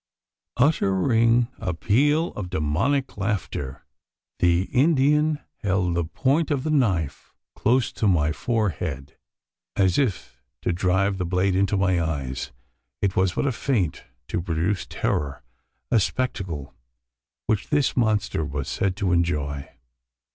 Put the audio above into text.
Uttering a peal of demoniac laughter, the Indian held the point of the knife close to my forehead as if about to drive the blade into my eyes! It was but a feint to produce terror a spectacle which this monster was said to enjoy.